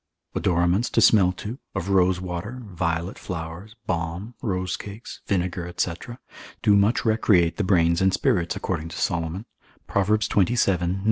Odoraments to smell to, of rosewater, violet flowers, balm, rose cakes, vinegar, &c., do much recreate the brains and spirits, according to Solomon. Prov. xxvii.